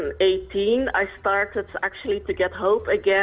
saya mulai mendapatkan harapan lagi